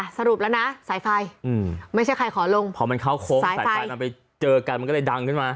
สรุปแล้วนะสายไฟอืมไม่ใช่ใครขอลงพอมันเข้าโค้งสายไฟมันไปเจอกันมันก็เลยดังขึ้นมา